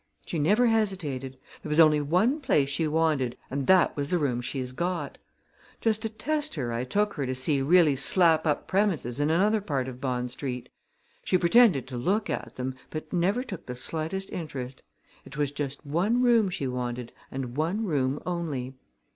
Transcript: She never hesitated. There was only one place she wanted and that was the room she's got. Just to test her I took her to see really slap up premises in another part of Bond Street. She pretended to look at them, but never took the slightest interest. It was just one room she wanted and one room only.